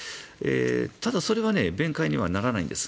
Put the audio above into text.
ただ、それは弁解にはならないんです。